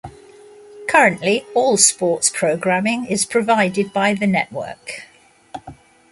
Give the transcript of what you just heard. Currently, all sports programming is provided by the network.